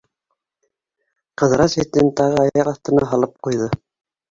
Ҡыҙырас этен тағы аяҡ аҫтына һалып ҡуйҙы.